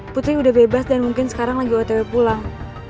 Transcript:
putri udah bebas dan mungkin sekarang lagi ott pulang